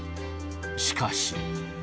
しかし。